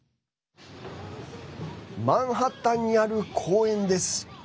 マンハッタンにある公園です。